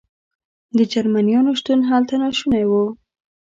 د جرمنیانو شتون هلته ناشونی و.